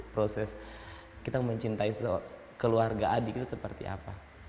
proses kita mencintai keluarga adik itu seperti apa